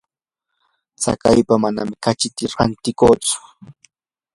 tsakaypa manami kachita rantintsichu.